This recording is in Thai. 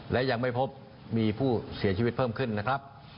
และยังไม่พบมีผู้เสียชีวิตเพิ่มขึ้นนะครับ